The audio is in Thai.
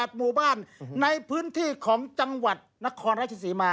หมู่บ้านในพื้นที่ของจังหวัดนครราชศรีมา